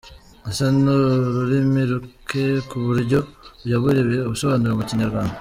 Ese n’ururimi ruke ku buryo yaburiwe ubusobanuro mu Kinyarwanda?